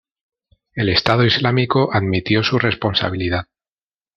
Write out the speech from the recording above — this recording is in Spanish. El Estado Islámico admitió su responsabilidad.